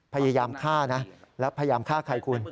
พยายามฆ่านะแล้วพยายามฆ่าใครคุณ